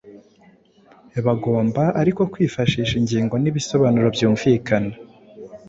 Bagomba ariko kwifashisha ingingo n’ibisobanuro byumvikana